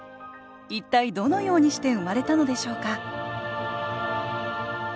一体どのようにして生まれたのでしょうか